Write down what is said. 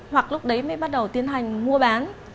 hoặc lúc đấy mới bắt đầu tiến hành mua bán